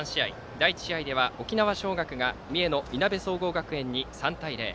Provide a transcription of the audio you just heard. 第１試合では沖縄尚学が三重のいなべ総合学園に３対０。